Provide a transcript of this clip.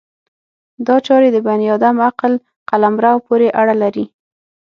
دا چارې د بني ادم عقل قلمرو پورې اړه لري.